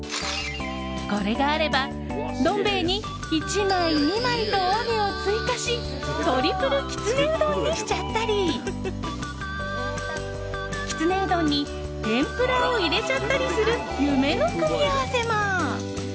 これがあれば、どん兵衛に１枚、２枚と、おあげを追加しトリプルきつねうどんにしちゃったりきつねうどんに天ぷらを入れちゃったりする夢の組み合わせも。